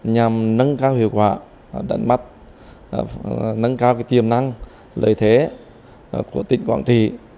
nhằm nâng cao hiệu quả đánh bắt nâng cao tiềm năng lợi thế của tỉnh quảng trị